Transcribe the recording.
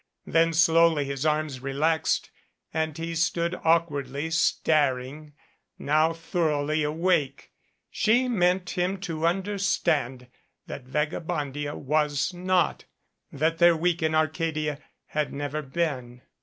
Then slowly his arms relaxed and he stood awkwardly staring, now thoroughly awake. She meant him to understand that Vagabondia was not that their week in Arcadia had never been.